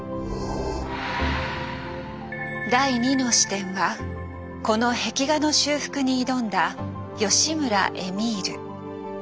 第２の視点はこの壁画の修復に挑んだ吉村絵美留。